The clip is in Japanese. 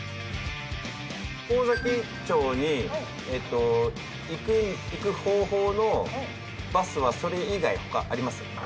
神崎町に行く方法のバスはそれ以外他あります？